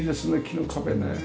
木の壁ね。